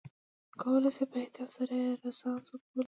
کولای شو په احتیاط سره یې رنسانس وبولو.